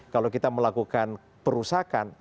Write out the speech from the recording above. kalau kita melakukan perusahaan